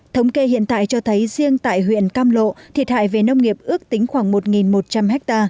thống kê hiện tại cho thấy riêng tại huyện cam lộ thiệt hại về nông nghiệp ước tính khoảng một một trăm linh ha